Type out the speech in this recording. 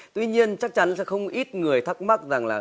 tuy nhiên chắc chắn sẽ không ít người thắc mắc rằng là